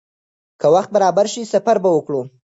که وخت برابر شي، سفر به وکړو.